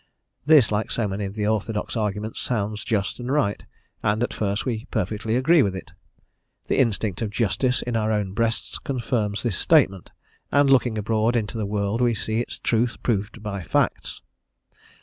This, like so many of the orthodox arguments, sounds just and right, and at first we perfectly agree with it. The instinct of justice in our own breasts confirms the statement, and looking abroad into the world we see its truth proved by facts.